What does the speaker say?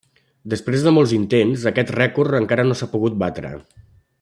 Després de molts d'intents aquest rècord encara no s'ha pogut batre.